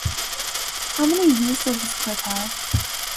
How many views does this clip have?